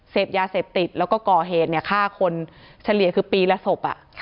เสพยาเสพติดแล้วก็ก่อเหตุฆ่าคนเฉลี่ยคือปีละศพ